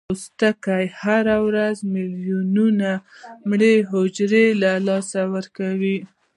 پوست هره ورځ ملیونونه مړه حجرې له لاسه ورکوي.